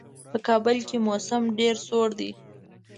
په کابل کې موسم ډېر سوړ دی.